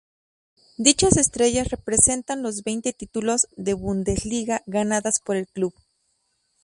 Dichas estrellas representan los veinte títulos de Bundesliga ganadas por el club.